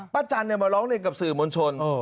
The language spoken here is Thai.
ป้าจันมาร้องเล่นกับสื่อมณชน